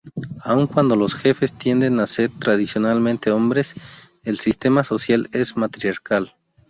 Aun cuando los jefes tienden a ser tradicionalmente hombres, el sistema social es matriarcal.